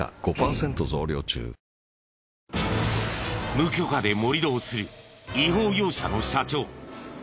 無許可で盛り土をする違法業者の社長。